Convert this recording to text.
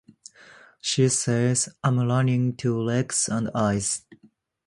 She says I’m all running to legs and eyes.